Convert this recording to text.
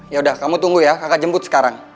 ya udah kamu tunggu ya kakak jemput sekarang